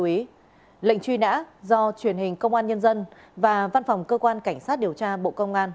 lệnh truy nã do truyền hình công an nhân dân và văn phòng cơ quan cảnh sát điều tra bộ công an